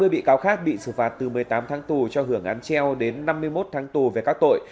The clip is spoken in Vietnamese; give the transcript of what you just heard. năm mươi bị cáo khác bị xử phạt từ một mươi tám tháng tù cho hưởng án treo đến năm mươi một tháng tù về các tội